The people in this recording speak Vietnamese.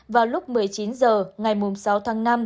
vào lúc một mươi chín h ngày sáu tháng năm